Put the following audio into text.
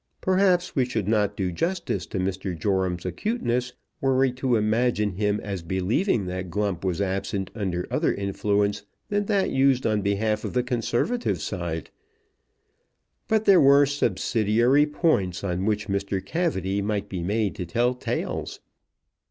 Perhaps we should not do justice to Mr. Joram's acuteness were we to imagine him as believing that Glump was absent under other influence than that used on behalf of the conservative side; but there were subsidiary points on which Mr. Cavity might be made to tell tales.